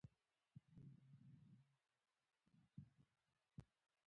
د فشار لاندې بدن د چمتووالي حالت تجربه کوي.